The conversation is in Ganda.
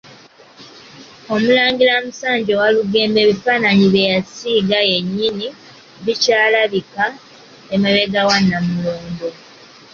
Omulangira Musanje Walugembe ebifaananyi bye yasiiga yennyini bikyalabika emabega wa Nnamulondo.